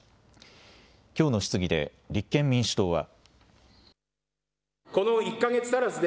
きょうの質疑で立憲民主党は。